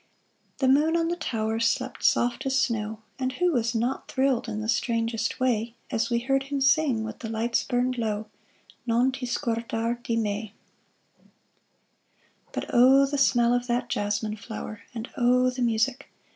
The moon on the tower slept soft as snow; And who was not thrilled in the strangest way, As we heard him sing while the lights burned low, "Non ti scordar di me"? But O, the smell of that jasmine flower! And O, the music!